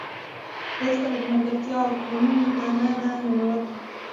هېڅکله د ملګرتیا اپونو ته نه ده ننوتې